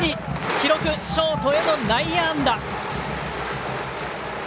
記録はショートへの内野安打。